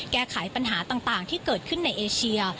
แก้ไขปัญหาต่างที่เกิดขึ้นในเอเชีย